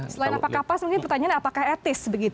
selain apakah pas mungkin pertanyaannya apakah etis